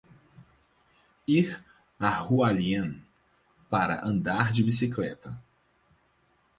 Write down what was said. Ir a Hualien para andar de bicicleta